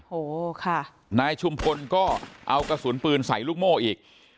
โหค่ะนายชุมพลก็เอากระสุนปืนใส่ลูกโม่อีก